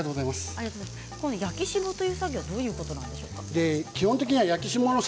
焼き霜とはどういうことなんでしょうか。